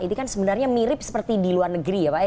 ini kan sebenarnya mirip seperti di luar negeri ya pak ya